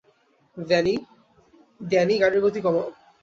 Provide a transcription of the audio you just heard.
Danny, গাড়ির গতি কমাও।